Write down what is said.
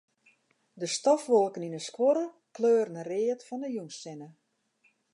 De stofwolken yn 'e skuorre kleuren read fan de jûnssinne.